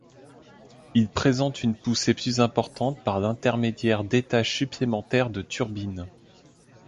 Il présente une poussée plus importante par l'intermédiaire d'étages supplémentaires de turbine.